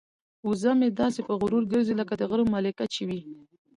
وزه مې داسې په غرور ګرځي لکه د غره ملکه چې وي.